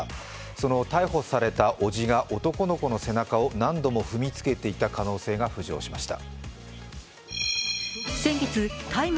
その逮捕されたおじが男の子の背中を何度も踏みつけていた可能性が浮上しました。